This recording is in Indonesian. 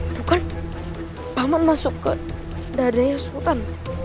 bukan paman masuk ke dadanya sultan